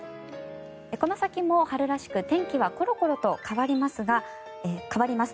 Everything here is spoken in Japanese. この先も春らしく天気はコロコロと変わります。